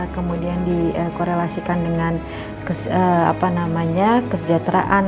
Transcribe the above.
kemudian dikorelasikan dengan kesejahteraan